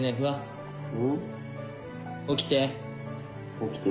起きて。